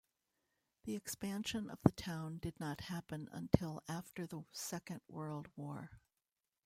The expansion of the town did not happen until after the Second World War.